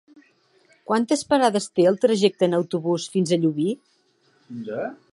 Quantes parades té el trajecte en autobús fins a Llubí?